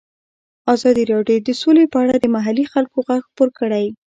ازادي راډیو د سوله په اړه د محلي خلکو غږ خپور کړی.